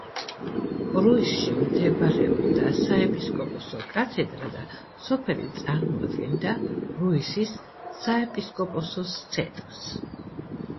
რუისში მდებარეობდა საეპისკოპოსო კათედრა და სოფელი წარმოადგენდა რუისის საეპისკოპოს ცენტრს.